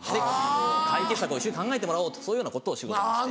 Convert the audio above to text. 解決策を一緒に考えてもらおうとそういうようなことを仕事にして。